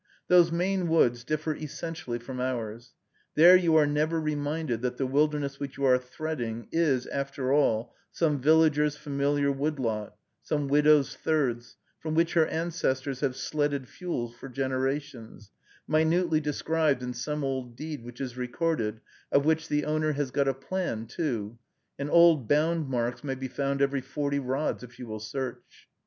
Those Maine woods differ essentially from ours. There you are never reminded that the wilderness which you are threading is, after all, some villager's familiar wood lot, some widow's thirds, from which her ancestors have sledded fuel for generations, minutely described in some old deed which is recorded, of which the owner has got a plan, too, and old bound marks may be found every forty rods, if you will search.